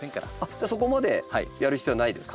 じゃあそこまでやる必要はないですか？